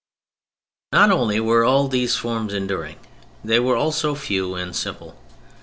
Not only were all these forms enduring, they were also few and simple.